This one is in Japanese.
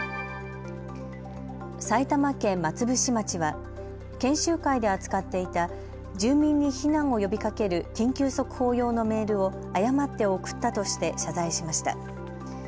埼玉県松伏町は研修会で扱っていた住民に避難を呼びかける緊急速報用のメールを誤って送ったとして謝罪しました。